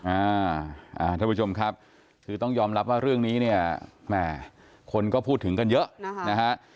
อ่าท่านผู้ชมครับคือต้องยอมรับว่าเรื่องนี้เนี่ยแหมคนก็พูดถึงกันเยอะนะฮะ